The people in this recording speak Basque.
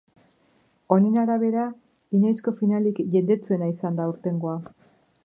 Honen arabera, inoizko finalik jendetsuena izan da aurtengoa.